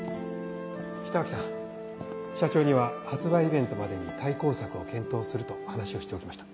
北脇さん社長には発売イベントまでに対抗策を検討すると話をしておきました。